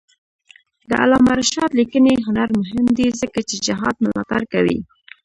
د علامه رشاد لیکنی هنر مهم دی ځکه چې جهاد ملاتړ کوي.